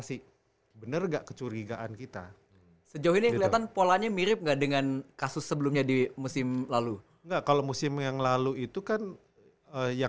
sampai jumpa di video selanjutnya